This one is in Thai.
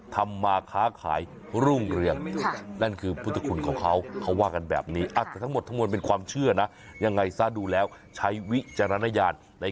ทำมาค้าขายรุ่งเรียน